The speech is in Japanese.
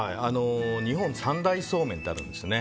日本三大そうめんってあるんですよね。